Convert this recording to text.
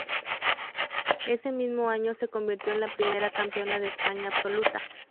Ese mismo año se convirtió en la primera campeona de España absoluta.